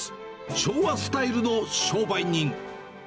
昭和スタイルの商売人。